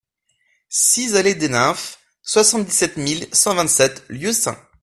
six allée des Nymphes, soixante-dix-sept mille cent vingt-sept Lieusaint